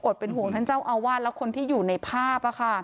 อดเป็นห่วงท่านเจ้าอาวาสแล้วคนที่อยู่ในภาพค่ะ